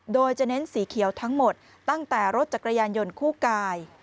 โดยจะเน้นสีเขียวทั้งหมดตั้งแต่รถจักรยานยนต์คู่กาย